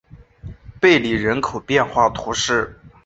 贝里人口变化图示